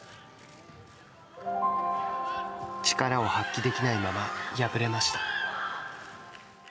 力を発揮できないまま敗れました。